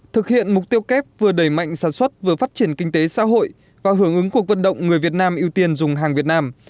thực hiện mục tiêu kép vừa đẩy mạnh sản xuất vừa phát triển kinh tế xã hội và hưởng ứng cuộc vận động người việt nam ưu tiên dùng hàng việt nam